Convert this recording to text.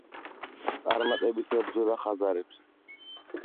წარმატებით ებრძოდა ხაზარებს.